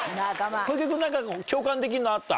小池君何か共感できるのあった？